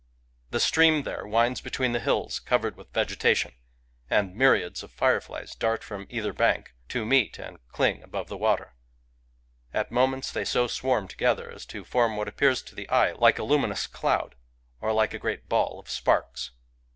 The stream there winds between hills covered with vegetation ; and myriads of fireflies dart from either bank, to meet and cling above the water. At mo ments they so swarm together as to form what appears to the eye like a luminous cloud, or like a great ball of sparks.